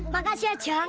makasih ya cang